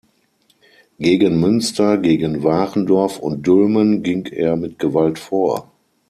Gegen Münster, gegen Warendorf und Dülmen ging er mit Gewalt vor.